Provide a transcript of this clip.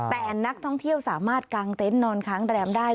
แต่นักท่องเที่ยวสามารถกางเต็นต์นอนค้างแรมได้